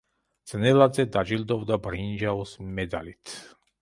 ძნელაძე დაჯილდოვდა ბრინჯაოს მედალით.